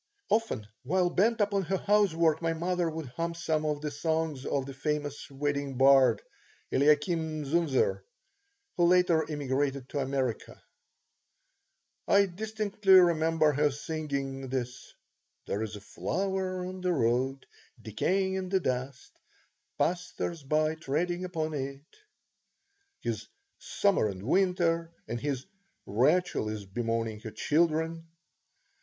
Often, while bent upon her housework, my mother would hum some of the songs of the famous wedding bard, Eliakim Zunzer, who later emigrated to America. I distinctly remember her singing his "There is a flower on the road, decaying in the dust, Passers by treading upon it," his "Summer and Winter," and his "Rachael is bemoaning her children."